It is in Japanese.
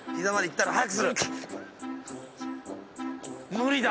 無理だ。